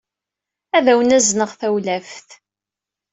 Ad awen- azneɣ tawlaft.